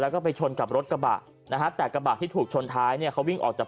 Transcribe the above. แล้วก็ไปชนกับรถกระบะนะฮะแต่กระบะที่ถูกชนท้ายเนี่ยเขาวิ่งออกจาก